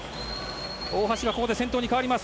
大橋はここで先頭に変わります。